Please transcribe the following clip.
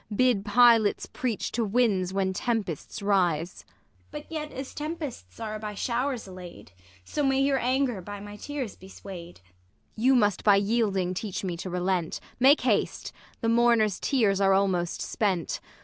Bid pilots preach to winds when tempests rise. ISAB. But yet as tempests are by showers allay 'd. So ma}'' your anger b}^ my tears be sway'd. Ang. You must by yielding teach me to relent. Make haste ! the mourners tears are almost spent.